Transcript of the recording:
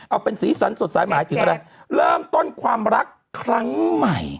เอาเป็นสีสันสดใสหมายถึงอะไรเริ่มต้นความรักครั้งใหม่